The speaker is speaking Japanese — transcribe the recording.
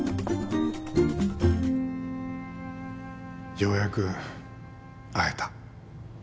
ようやく会えた。